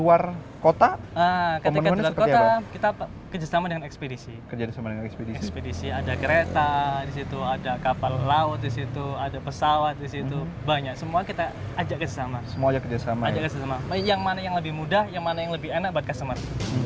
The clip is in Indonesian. ajak kerjasama yang mana yang lebih mudah yang mana yang lebih enak buat customer